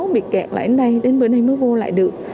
bị kẹt lại ở đây đến bữa nay mới vô lại được